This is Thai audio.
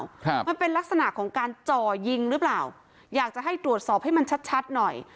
ครับมันเป็นลักษณะของการจ่อยิงหรือเปล่าอยากจะให้ตรวจสอบให้มันชัดชัดหน่อย